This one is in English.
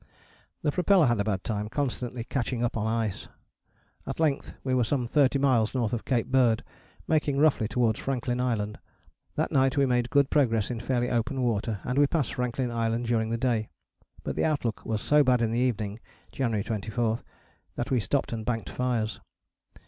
" The propeller had a bad time, constantly catching up on ice. At length we were some thirty miles north of Cape Bird making roughly towards Franklin Island. That night we made good progress in fairly open water, and we passed Franklin Island during the day. But the outlook was so bad in the evening (January 24) that we stopped and banked fires.